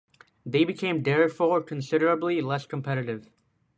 They became therefore considerably less competitive.